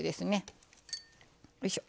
よいしょ。